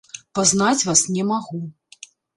Пазнаць вас не магу.